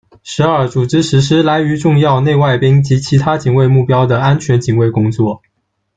十二、组织实施来渝重要内外宾及其他警卫目标的安全警卫工作。